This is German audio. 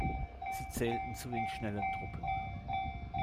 Sie zählten zu den Schnellen Truppen.